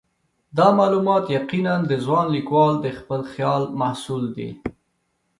دا معلومات یقیناً د ځوان لیکوال د خپل خیال محصول دي.